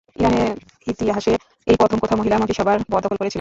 ইরানের ইতিহাসে এই প্রথম কোনও মহিলা মন্ত্রিসভার পদ দখল করেছিলেন।